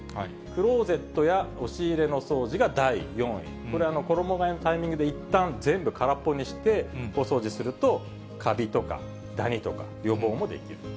クローゼットや押し入れの掃除が第４位、これ、衣がえのタイミングでいったん全部空っぽにして大掃除すると、カビとかダニとか、予防もできると。